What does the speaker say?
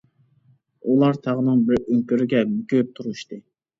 ئۇلار تاغنىڭ بىر ئۆڭكۈرىگە مۆكۈپ تۇرۇشتى.